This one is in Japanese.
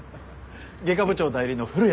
外科部長代理の古谷です。